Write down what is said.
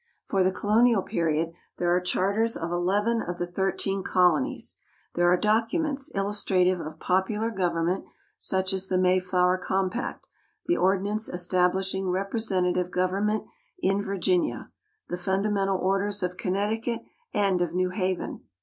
For the colonial period, there are charters of eleven of the thirteen colonies; there are documents illustrative of popular government, such as the Mayflower Compact, the ordinance establishing representative government in Virginia, the Fundamental Orders of Connecticut, and of New Haven.